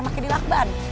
maka di lakban